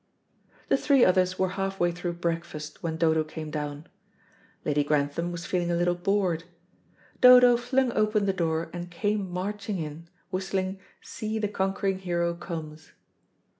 The three others were half way through breakfast when Dodo came down. Lady Grantham was feeling a little bored. Dodo flung open the door and came marching in, whistling "See the Conquering Hero comes."